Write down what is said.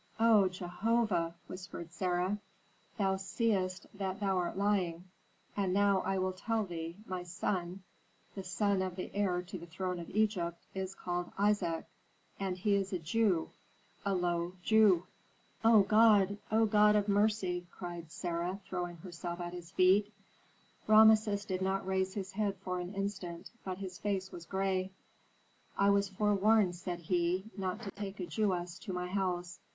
"O Jehovah!" whispered Sarah. "Thou seest that thou art lying. And now I will tell thee, my son, the son of the heir to the throne of Egypt, is called Isaac and he is a Jew a low Jew." "O God, O God of mercy!" cried Sarah, throwing herself at his feet. Rameses did not raise his head for an instant, but his face was gray. "I was forewarned," said he, "not to take a Jewess to my house.